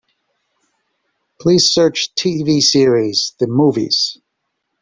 Please search TV series The Movies.